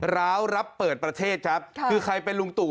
ร้าวรับเปิดประเทศครับคือใครเป็นลุงตู่